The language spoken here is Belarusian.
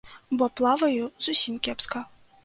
Бо плаваю зусім кепска.